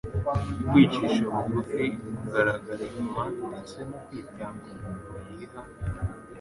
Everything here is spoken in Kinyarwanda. kwicisha bugufi kugaragara inyuma ndetse no kwitanga umuntu yiha,